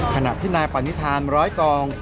ขนาดที่นายปรานิทานร้อยกอง